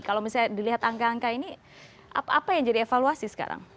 kalau misalnya dilihat angka angka ini apa yang jadi evaluasi sekarang